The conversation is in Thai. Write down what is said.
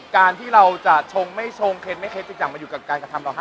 การที่เราจะชงไม่ชงเคล็ดไม่เคล็ดต่างมาอยู่กับการกระทำต่อให้